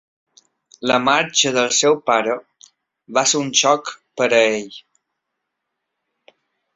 La marxa del seu pare va ser un xoc per a ell.